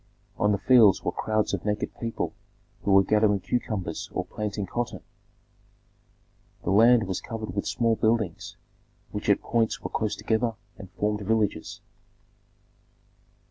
On the fields were crowds of naked people who were gathering cucumbers or planting cotton. The land was covered with small buildings which at points were close together and formed villages.